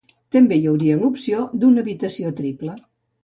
També hi hauria l'opció d'una habitació triple.